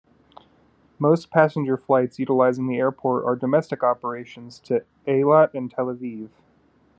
Most passenger flights utilizing the airport are domestic operations to Eilat and Tel Aviv.